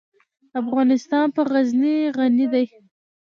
افغانستان په غزني غني دی.